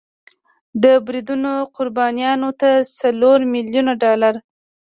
د بریدونو قربانیانو ته څلور میلیون ډالر